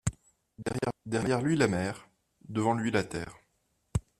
Derrière lui la mer, devant lui la terre